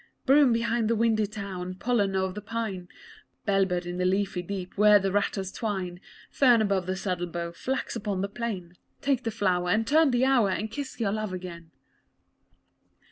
Broom behind the windy town; pollen o' the pine Bell bird in the leafy deep where the ratas twine Fern above the saddle bow, flax upon the plain Take the flower and turn the hour, and kiss your love again!